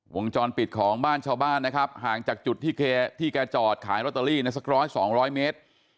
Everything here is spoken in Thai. วงจรปิดของบ้านชาวบ้านนะครับห่างจากจุดที่แกจอดขายลอตเตอรี่ในสักร้อยสองร้อยเมตร